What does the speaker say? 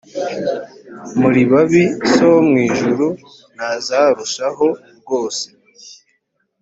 muri babi so wo mu ijuru ntazarushaho rwose .